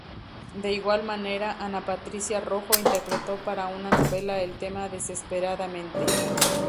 De igual manera, Ana Patricia Rojo interpretó para una novela el tema "Desesperadamente".